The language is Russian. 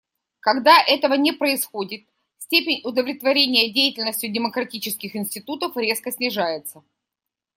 Когда этого не происходит, степень удовлетворения деятельностью демократических институтов резко снижается.